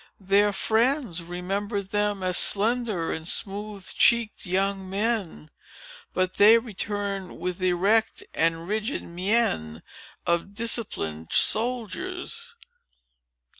Their friends remembered them as slender and smooth cheeked young men; but they returned with the erect and rigid mien of disciplined soldiers.